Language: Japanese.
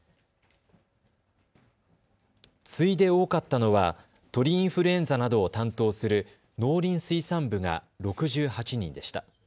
次いで多かったのは鳥インフルエンザなどを担当する農林水産部が６８人でした。